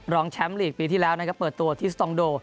รองแชมป์ลีกปีที่แล้วนะครับเปิดตัวที่สตองโด